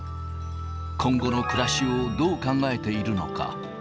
今後の暮らしをどう考えているのか。